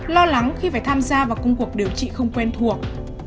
lo lắng khi phải tham gia vào công cuộc điều trị không quen thuộc